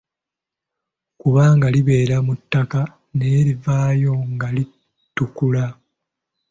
Kubanga libeera mu ttaka naye livaayo nga litukula.